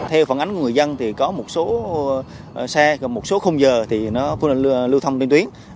theo phản ánh của người dân thì có một số xe một số không giờ thì nó lưu thông trên tuyến